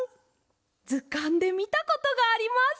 ずかんでみたことがあります！